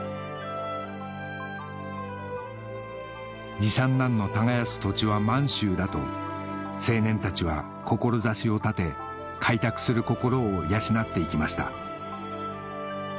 次三男の耕す土地は満州だと青年たちは志を立て開拓する心を養っていきました